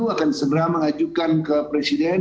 akan segera mengajukan ke presiden